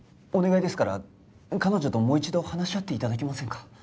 お願いですから彼女ともう一度話し合って頂けませんか？